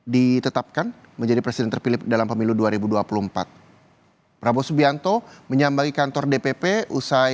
ditetapkan menjadi presiden terpilih dalam pemilu dua ribu dua puluh empat prabowo subianto menyambangi kantor dpp usai